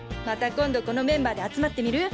今度このメンバーで集まってみる？